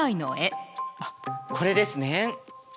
あっこれですね。